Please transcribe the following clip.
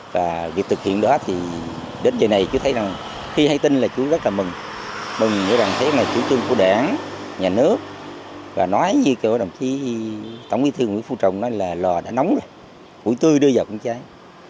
vì vậy đồng chí nguyễn phụ trọng nói là lò đã nóng rồi hủy tư đưa vào cũng cháy